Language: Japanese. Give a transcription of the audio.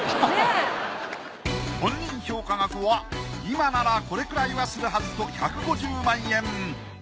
本人評価額は今ならこれくらいはするはずと１５０万円。